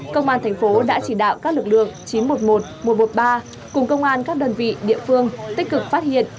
công an thành phố đã chỉ đạo các lực lượng chín trăm một mươi một một trăm một mươi ba cùng công an các đơn vị địa phương tích cực phát hiện